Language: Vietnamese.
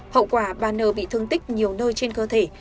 hậu quả bà n bị thương tích nhiều nơi trên cơ thể